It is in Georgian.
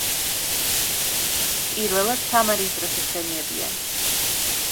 პირველად თამარის დროს იხსენიებიან.